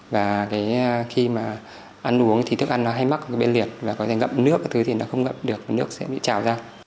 và cái khi mà ăn uống thì thức ăn nó hay mắc bệnh liệt và có thể gặp nước cái thứ thì nó không gặp được và nước sẽ bị trào ra